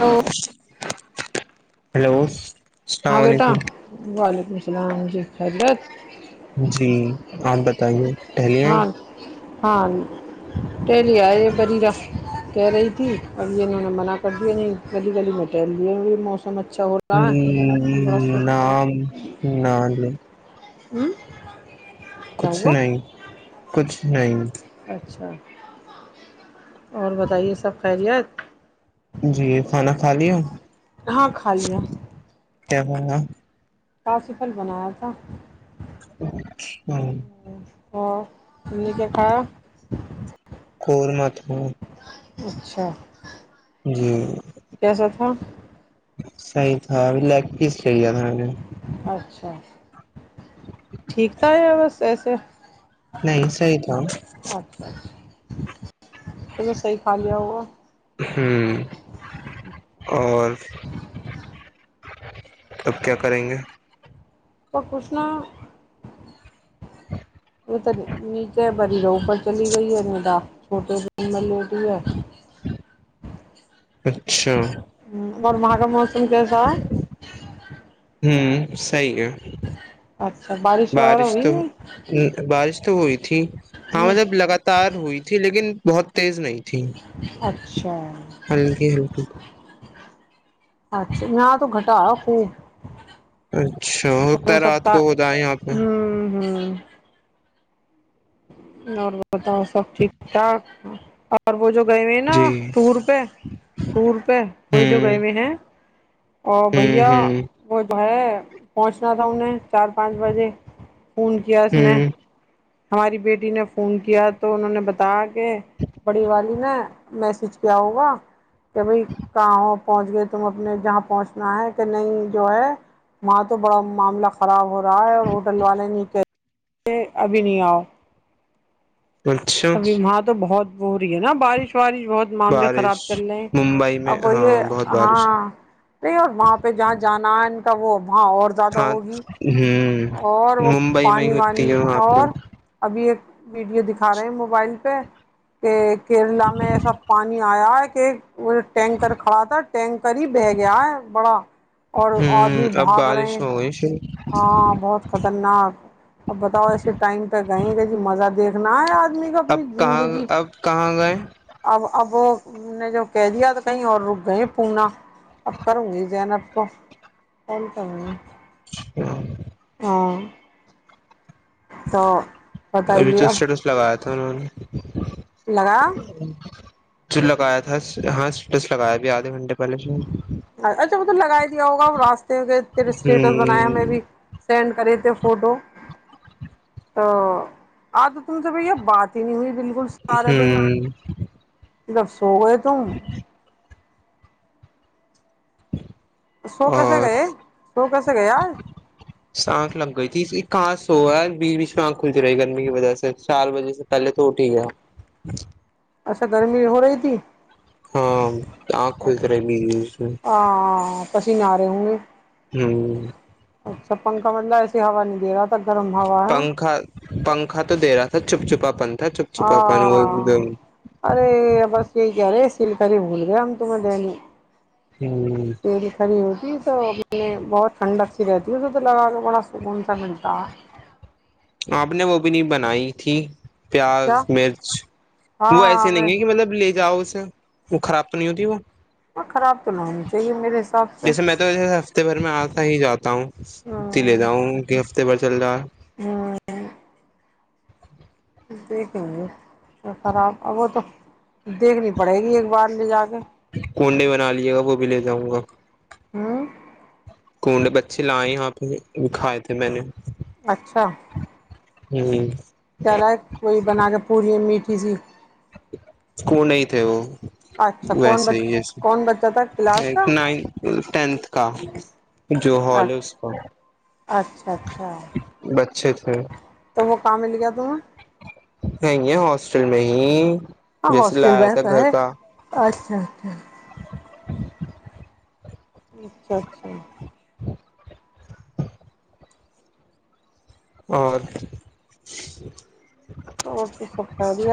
hello hello السلام ہاں بیٹا علیکم وعلیکم السلام جی حضرت جی آپ بتائیے ٹہلی ہاں ہاں [unintelligible] کہہ رہی تھی اب یہ انہوں نے منا کر دیا نہیں گلی گلی میں ٹہل دیا موسم اچھا ہو رہا ہے ہمم بڑا ہمم نام ہمم کچھ نہیں کچھ نہیں اچھا اور بتائیے سب خیریت جی کھانا کھا لیا ہاں کھا لیا کیا کھایا کاسفل بنایا تھا ہمم ہاں تم نے کیا کھایا [unintelligible] اچھا جی کیسا تھا صحیح تھا ابھی لیگ پیس لے لیا تھا میں نے اچھا ٹھیک تھا بس ایسے نہیں صحی تھا اچھا اچھا تو میں صحیح کھا لیا ہوگا ہوں اور اب کیا کریں گے پر کچھ نہ وہ ت م کیا بری رہو [unintelligible] پر چلی گئی ہے ندا چھوٹے دن میں لیٹی ہے اچھا ہ اورر مہ کاا موسم کیسا ہے ھمم صحی ہے اچھا وغیرہ بارش ہوئی تو نہیں بارش تو ہوئی تھی ہاں مطلب لگات تار ہوئی تھی لیکن بہت تیز نہیں تھی اچھا ہلکی ہلکی اچھا ن تو گٹا اچھا ہوتا ہو ہے رات سکتا کو ہوتا ہے یہاں پہ ھمم ھمم اور بتاؤ سب ٹھیک ٹھاک اور وہ جو گئے ہوئے ہیں نا جی ٹور پہ ٹور پہ وہی ہوں جو گئے ہوئے ہیں او ہوں بھیا ہوں وہ جو ہے پہنچنا تھا انہیں چار پانچ بجے فون کیا اس نے ہوں ہماری بیٹی نے فون کیا تو انہوں نے بتایا کہ بڑی والی نا میسج کیا ہوگا کہ بھائی کہاں ہو پہنچ گئے تم اپنے جہاں پہنچنا ہے کہ نہیں جو ہے وہاں تو بڑا معاملہ خراب ہو رہا ہے اور ہوٹل والے نہیں کہ ابھی نہیں آؤ اچھا ابھی وہاں تو بہت ب رہی ہے نا بارش وارش بہت معاملے بارش خراب چل رہے ممبئی میں اب وہ ہاں یہ بہت بارش ہے ہاں نہیں اور وہاں پہ جہاں جانا ہے ان کا وہ وہاں اور زیادہ ہاں ہوگی ھمم اور وہ پانی وانی پہ اور ہوں ابھی ایک ویڈیو دکھا رہے ہیں موبائل پہ کہ کیرلا میں ایسا پانی آیا ہے کہ وہ ٹینکر کھڑا تھا ٹینکر ہی بہ گیا ہے بڑا اور آدمی اب بھاگ بارش رہے ہیں ہو گئی شروع ہاں بہت خطرناک اب بتاؤ ایسے ٹائم پہ گئےیں گے جی مزہ دیکھنا ہے ار آنی کا اب اپنی کہاں زندگی اب کہاں گئے اب اب نے جو کہہ دیا تو کہیں اور رک گئے پنا اب کروں گی جین اب کو کون کروں گی ھمم ہاں تو ابھی بتائیے تو اب اسٹیٹس لگایا تھا انہوں نے لگا جو لگایا تھا ہاںس لگایا ا بھیھی آدھے گھنٹے پہلے اچھا وہ تو لگائی دیا ہوگا راستے کے اسٹیٹس بنایا ہمیں بھی سینڈ کر تھ فوٹو تو آ تو تم سے بھائی یہ بات ہی نہیں ہوئی بالکل سارے دن ہوں لف سو گئے تم سو کس گئے اور سو کسے گئے سانکھ لگ گئی تھی اس کس سوا ہے بیچ بیچ میں آنکھ کھلتی رہی گرمی کی وجہ سے چار وجہ سے پہلے تو ٹھیک ہے اچھا گرمی ہو رہی تھی ہاں آکھئی کر ہاں کسی نہ رہے ہوں گے ھمم اچھا پنکھا مطل ایسسی ہوا نہیں دے رہا گرم ہوا ہے پنکھا پنکھا تو دے رہا تھا چپ چھپا پن تھا چپ چھپا پن وہ ہاں ارے بس یہی کیا اے سل کر بھول گیا ہم تمہیں دنے ہوں تیری کڑی ہوتی ہے تو میں بہت ٹھنڈک سی رہتی ہے اسے تو لگا کے بڑا سکون سا ملتا ہے آپ نے وہ بھی نہیں بنائی تھی کیا پیاز مرچ وہ ہاں ایسے میں نہیں ہے کہ مطلب لے جاؤ اسے وہ خراب تو نہیں ہوتی وہ اور خراب تو نہ ہونی چاہیے میرے حساب سے جیسے میں تو ہفتے بھر میں آتا ہی جاتا ہوں ہوں اتی لے جاؤں کہ ہفتے بھر چل رہا ہے [inaudible] دیکھیں گے تو خراب اب وہ تو دیکھنی پڑے گی ایک بار لے جا کے کنڈے بنا لیے گا وہ بھی لے جاؤں گا ہاں کنڈے بچے لائے یہاں پہ وہکھھائے تھے میں نے اچھا ہوں کہلا ہے کوئی بنا کے پوری میٹھی سی اسک نہیں تھ وہ اچھا کون ویسے بچ ہی ویسے کون بچہ تھا کلاس ایک کا نائ ٹینتھ کا جو ہال ہے اس اچھا کا اچھا اچھا بچے تھے تو وہ کہاں مل گیا تمہیں نہیں ہے ہاسٹل میں ہی ہاں جیسے ہاسٹل لایا تھا بتا گھر ہے کا اچھا اچھا اچھا اچھا اور تو سب کہہی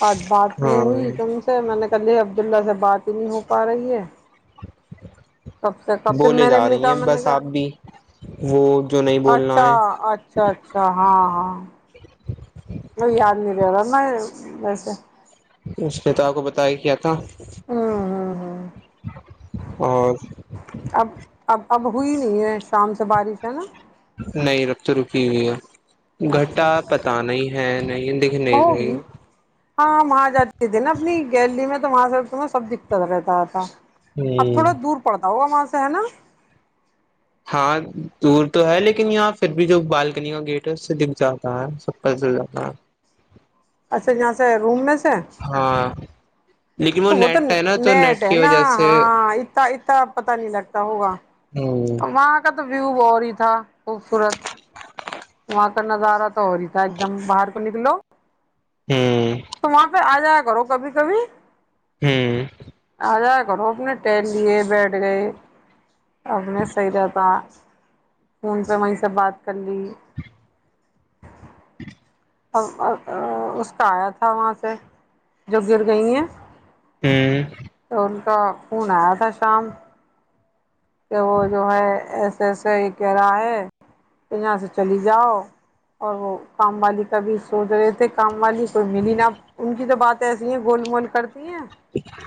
بات بات ہاں نہیں ہوئی سے میں نے کہی عبد اللہ سے بات ہی نہیں ہو پا رہی ہے کب سے کب پھر بولے میں نے جا بھی رہی لکھا ہیں میں نے بس کہا آپ بھی وہ جو نہیں بولنا اچھا ہے اچھ اچھا اچھا ہاں ہاں وہ یاد نہیں رہ رہا نا ویسے اس پتا کو بت ہی کیا تھا ہوں ہوں ہوں اور اب اب اب ہوئی نہیں ہے شام سے بارش ہے نا نہیں رکھ تو رکی ہوئی ہے اچھا گھٹا پت نہیں ہے نہیں دکھنے چاہیے ہوگی ہاں وہاں جاتی تھی نا اپنی گیلری میں تو وہاں سے تمہیں سب دکھتا رہتا تھا اب رہی ہ تھوڑا دور پڑتا ہوگا وہاں سے ہے نا ہاں دور تو ہے لیکن یہاں پھر بھی جو بالکنی کا گیٹ ہے اس سے دکھ جاتا ہے سب پ چل جاتا ہے اچھا یہاں سے روم میں سے ہاں لیکن تو وہ تو نیٹ ہے نا تو نیٹ ہے کی نا وجہ سے ہاں اتنا اتنا پتا نہیں لگتا ہوگا [inaudible] وہاں کا تو ویو بہ ہی تھا خوبصورت وہاں کا نظارا تھا اور رہی تھا ایک دم باہر کو نکلو ہ تو وہاں پہ آ جایا کرو کبھی کبھی ہوں ہ جا کرو اپنے ٹین لیے بیٹھ گئے اب میں صحیح رہتا فون پہ وہیں سے بات کر لی [inaudible] ا اس کا آیا تھا وہاں سے جو گر گئی ہیں ہ تو ان کا خون آیا تھا شام کہ وہ جو ہے ایسے ایسے ہی کہہ رہا ہے کہ یہاں سے چلی جاؤ اور وہ کام والی تبھی سوچ رہے تھے کام والی کوئی ملی نہا ان کی تو بات ایسی ہیں گول مول کرتی ہیں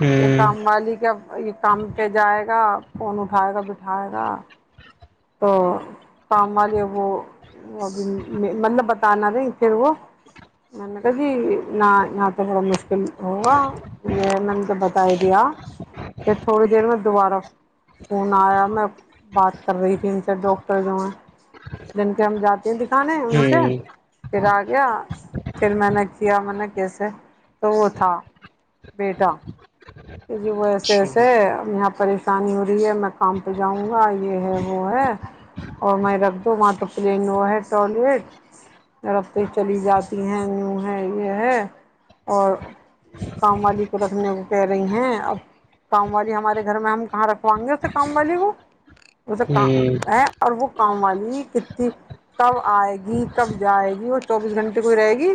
ہ یہ ہ کام والی کیا یہ کام پہ جائے گا فون اٹھائے گا بٹھائے گا تو کام والے وہ ابھی مطلب بتانا نہیں ہی وہ میں کا جی ن یہاں تو تھوڑا مشکل ہوگا یہ میں نے تو بتاائی دیا پھر تھوڑی دیر میں دوبارہ فون آیا میں بات کر رہی تھی ان سے ڈاکٹر جو ہیں جن کے ہم جاتے ہیں دکھانے ان سے پھر آ گیا پھر میں نے کیا میں نے کیسے تو وہ تھا بیٹا جی وہ ایسے اچھا ایسے یہاں پر پریشانی ہو رہی ہے میں کام پہ جاؤں گا یہ ہے وہ ہے اور میں رکھ دوں وہاں تو پلین وہ ہے ٹوائلیٹ درفتیں چلی جاتی ہیں یوں ہے یہ ہے اور کام والی کو رکھنے کو پ رہی ہیں اب کام والی ہمارے گھر میں ہم کہاں رکھوائیں گے اسے کام والی کو وہ تو کا ہ ہے اور وہ کام والی ہیتی کب آئے گی کب جائے گی وہ چوبیس گھنٹے کوئی رہے گی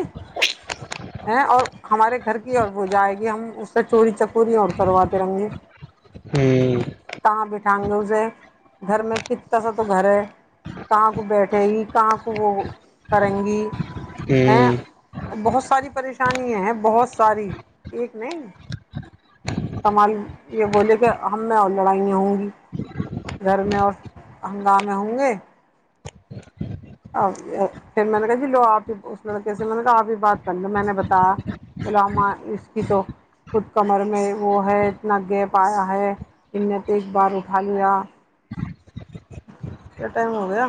ہیں اور ہمارے گھر کی اور وہ جائے گی ہم اس سے چوری چکوری اور کرواتے رنگے ہممم کہاں بٹھائیں گے اسے گھر میں کنا سا تو گھر ہے کہاں کو بیٹھے گی کہاں کو وہ کریں گی ہ ہیں اچھا بہت ساری پریشانی ہیں بہت ساری ایک نہیں کمال یہ بولے کہ ہم میں اور لڑائیاں ہوں گی گھر میں اور ہنگامے ہوں گے پھر میں نے کہا جی لو آپ ہی کیسے میں نے کہا آپ ہی بات کر لو میں نے بتایا عامہ اس کی تو خود کمر میں وہ ہے اتنا گیپ آیا ہے ا نےت ایک بار اٹھا لیا [inaudible] کتنا ٹاائم ہو گیا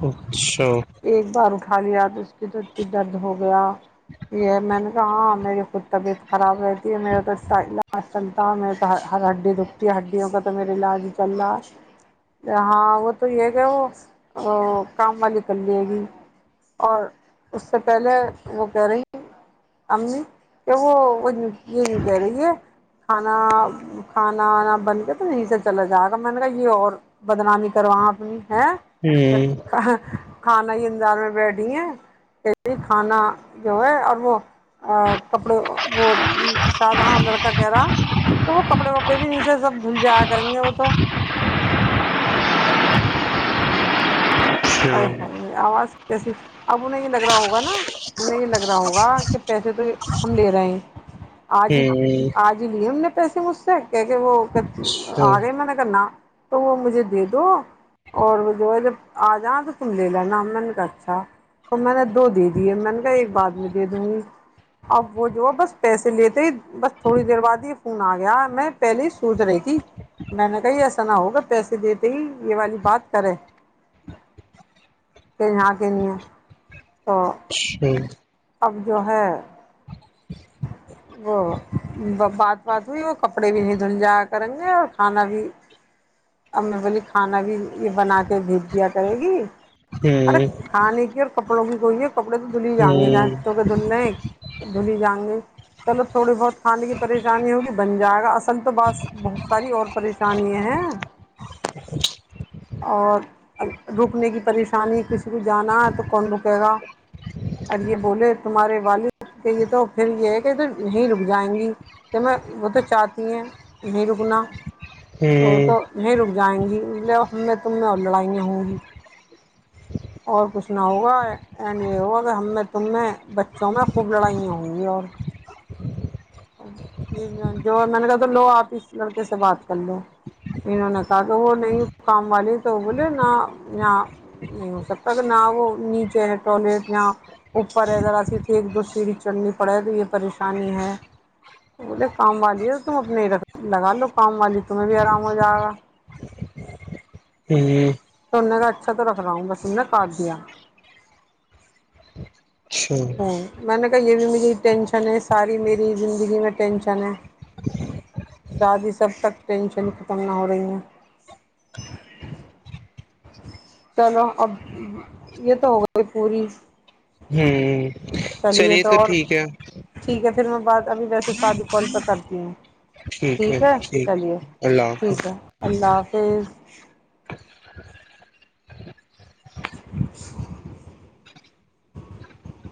ہ اچھا ایک بار اٹھا لیا تو اس کے دد کی درد ہو گیا یہ میں نے کہا میری خود طبیعت خراب رہتی ہے میرے تو چلتا ہوں میں تو ہر ہڈی رکتی ہڈیوں کا تو میرا علاج چل رہا ہاں وہ تو یہ کہ وہ کام والی کر لے گی اور اس سے پہلے وہ کہہ رہی امی کہ وہ یہ نہیں کہہ رہی ہے کھانا کھانا وانا بن کے تو یہ سے چلا جائے گا میں نے کہا یہ اور بدنامی کرواں اپنی ہے ہ کھانا ہی انداز میں بیٹھی ہیں کھانا جو ہے اور وہ ا کپڑے وہ سادہاں لڑکا کہ رہا تو وہ کپڑے وپڑے بھی نچے سب دھل جایا کریں گے وہ تو اچھا اچھا ہ ہ ا آواز کیسی اب نہیںیں لگ رہا ہوگا نا انیں یہ لگ رہا ہوگا کہ پیسے تو ہم لے رہے ہیں آج ہی آج جی لی ان نے پیسے مجھ سے کہ کہ وہ آ گئے میں نے کہانا تو وہ مجھے دے دو اور وہ جو ہے جب آ جا تو تم لے لینا مے نے کا اچھا تو میں نے دو دے دیے میں نے کہ ایک بعد میں دے دوں گی اب وہ جو ہے بس پیسے لیتے ہی بس تھوڑی دیر بعد یہ فون آ گیا میں پہلے ہی سوچ رہی تھی میں نے کہی ایسا نہ ہوگا پیسے دیتے ہی یہ والی بات کرے کے یہاں کے لیے تو ہی اب جو ہے وہ بات بات ہوئی وہ کپڑے بھی نہیں دھل جایا کریں گے اور کھانا بھی ا میں بولی کھانا بھی یہ بنا کے بھیج دیا کرے گی ارے کھانے کی اور کپڑوں کی کوئی ہے کپڑے تو دھل ہی جائیں گے جہاںوں کے دھلنے دھلی ہی جائیں گے چلو تھوڑی بہت کھانے کی پریشانی ہوگی بن جائے گا اصل تو بس بہت ساری اور پریشانییا ہیں [inaudible] اور رکنے کی پریشانی کسی کو جانا ہے تو کون رکے گا ار یہ بولے تمہارے والد کے یہ تو پھر یہ ہے کہ تو نہیں رک جائیں گی تو میں وہ تو چاہتی ہیں نہیں رکنا تو ہ تو نہیںیں رک جائیں گی لے ہم میں تم میں اور لڑائں ہوں گی اور کچھ نہ ہوگا اینڈ یہ ہوگا کہ ہم میں تم میں بچوں میں خوب لڑائیاں ہوئئی اور ج جو میں نے کہا تو لو آپ اس لڑکے سے بات کر لو انہوں نے کہا کہ وہ نہیں کام والی تو بولے نہ یہاں نہیں ہو سکتا ا کہ نہ وہ نیچے ہے ٹوائلیٹ نہ اوپر ہےذرا سی تھی ایک دو سیڑھی چڑھنی پڑے تو یہ پریشانی ہے بولے کام والی ہے تو تم اپنے لگا لو کام والی تمہیں بھی آرام ہو جائے گا ج جی [unintelligible] تو اننے کا اچھا تو رکھ رہا ہوں بس ان نے کاٹ دیا اچھا میں نے کہا یہ بھی میری ٹینشن ہے ساری میری زندگی میں ٹینشن ہے شادی سب تک ٹینشن ختم نہ ہو رہی ہیں [unintelligible] چلو اب یہ تو ہو گا پوری ہوں چلیے تو اور ٹھیک ہے پھر میں بات ابھی ویسے سادی کال پہ کرتی ہوں ٹھیک ہے چلیے اللہ حافظ ٹھیک ہے اللہ حافظ [unintelligible]